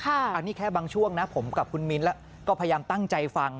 อันนี้แค่บางช่วงนะผมกับคุณมิ้นแล้วก็พยายามตั้งใจฟัง